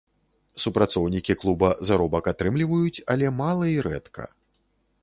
Супрацоўнікі клуба заробак атрымліваюць, але мала і рэдка.